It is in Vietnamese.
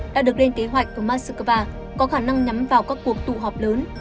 đã được lên kế hoạch của moskva có khả năng nhắm vào các cuộc tụ họp lớn